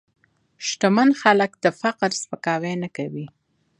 شتمن خلک د فقر سپکاوی نه کوي.